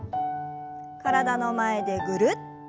体の前でぐるっと。